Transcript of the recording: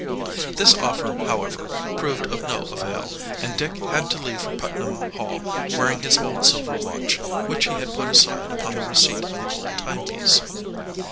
This offer, however, proved of no avail, and Dick had to leave for Putnam Hall wearing his old silver watch, which he had put aside upon the receipt of the gold timepiece.